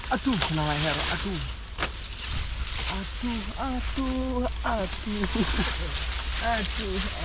aduh aduh aduh aduh aduh aduh